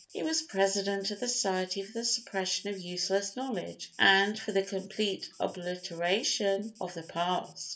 He was President of the Society for the Suppression of Useless Knowledge and for the Complete Obliteration of the Past.